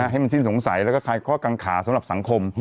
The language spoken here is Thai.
ให้มันสิ้นสงสัยแล้วก็คลายข้อกังขาสำหรับสังคม